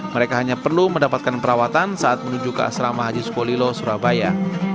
mereka hanya perlu mendapatkan perawatan saat menuju ke asrama haji sukolilo surabaya